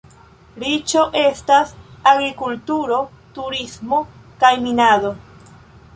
Riĉo estas agrikulturo, turismo kaj minado.